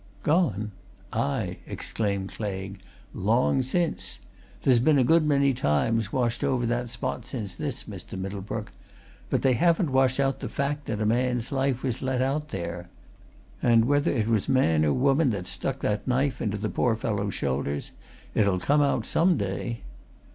"Gone? Aye!" exclaimed Claigue. "Long since. There's been a good many tides washed over that spot since this, Mr. Middlebrook. But they haven't washed out the fact that a man's life was let out there! And whether it was man or woman that stuck that knife into the poor fellow's shoulders, it'll come out, some day."